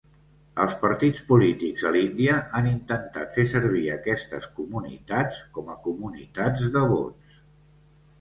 Els partits polítics a l'Índia han intentat fer servir aquestes comunitats com a comunitats de vots.